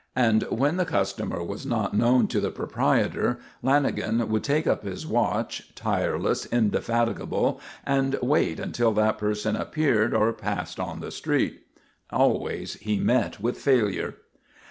And when the customer was not known to the proprietor, Lanagan would take up his watch, tireless, indefatigable, and wait until that person appeared or passed on the street. Always he met with failure.